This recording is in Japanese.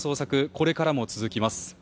これからも続きます。